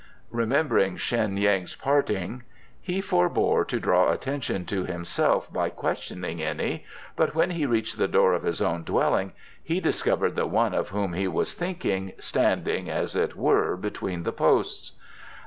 Remembering Sheng yin's parting, he forbore to draw attention to himself by questioning any, but when he reached the door of his own dwelling he discovered the one of whom he was thinking, standing, as it were, between the posts.